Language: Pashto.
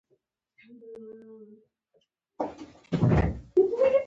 څوک چې عشق لري، تل په زړه کې امید لري.